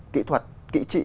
kỹ thuật kỹ trị